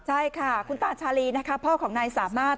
ใช่ค่ะคุณตาชาลีนะคะพ่อของนายสามารถ